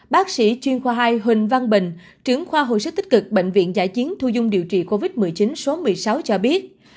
bác sĩ chuyên khoa hai huỳnh văn bình trưởng khoa hồi sức tích cực bệnh viện giải chiến thu dung điều trị covid một mươi chín số một mươi sáu cho biết